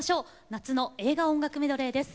夏の映画音楽メドレーです。